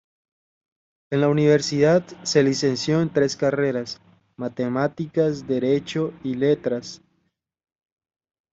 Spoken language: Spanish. En la Universidad se licenció en tres carreras: Matemáticas, Derecho y Letras.